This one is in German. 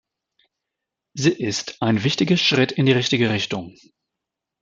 Sie ist ein wichtiger Schritt in die richtige Richtung.